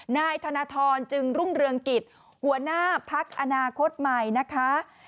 นายธนทรจึงรุ่งเรืองกิจหัวหน้าพักอนาคตใหม่นะคะ